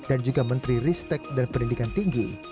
dan juga menteri ristek dan pendidikan tinggi